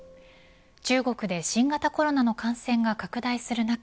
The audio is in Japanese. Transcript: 中国で新型コロナの感染が拡大する中